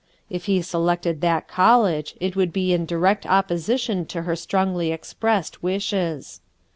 If he selected that college, it would be in direct opposition to her strongly expressed wishes.